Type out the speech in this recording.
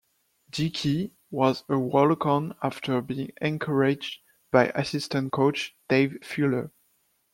Dickey was a walk-on after being encouraged by assistant coach Dave Fuller.